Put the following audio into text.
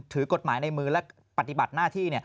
ถือกฎหมายในมือและปฏิบัติหน้าที่